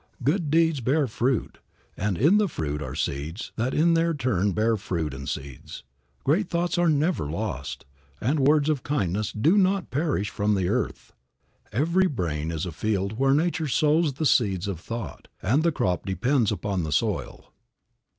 Good deeds bear fruit, and in the fruit are seeds that in their turn bear fruit and seeds. Great thoughts are never lost, and words of kindness do not perish from the earth. Every brain is a field where nature sows the seeds of thought, and the crop depends upon the soil.